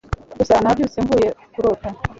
gusa nabyutse mvuye kurota